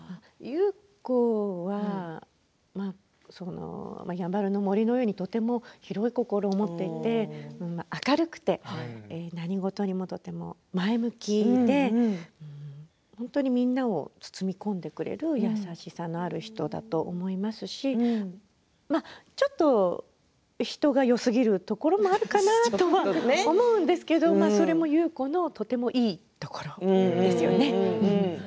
優子はやんばるの森のようにとても広い心を持っていて明るくて何事にもとても前向きで本当にみんなを包み込んでくれる優しさがある人だと思いますしちょっと人がよすぎるところもあるかなと思うんですけれどそれも優子のとてもいいところですよね。